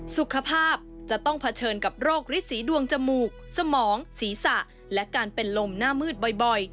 สุขภาพจะต้องเผชิญกับโรคฤทธีดวงจมูกสมองศีรษะและการเป็นลมหน้ามืดบ่อย